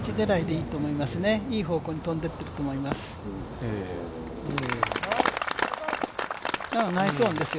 いい方向に飛んでいってると思います。